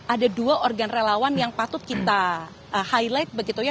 ada dua organ relawan yang patut kita ikuti